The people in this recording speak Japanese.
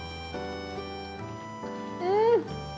うん。